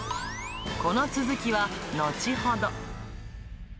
この続きは後ほど。